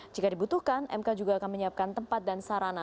jika dibutuhkan mk juga akan menyiapkan tempat dan sarana